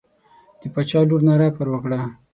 د باچا لور ناره پر وکړه.